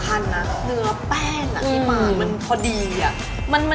เข้าใจแล้วทำไมถึงได้๕๐สาขา